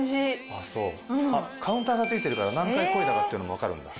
あっカウンターがついてるから何回漕いだかっていうのもわかるんだ。